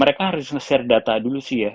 mereka harus nge share data dulu sih ya